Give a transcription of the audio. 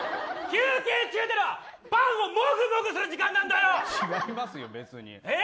休憩中というのはパンをもぐもぐする時間なんだよ。違いますよ。